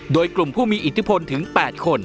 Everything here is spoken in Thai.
โดยกลุ่มผู้มีอิทธิพลถึง๘คน